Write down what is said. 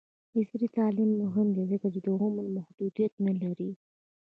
عصري تعلیم مهم دی ځکه چې د عمر محدودیت نه لري.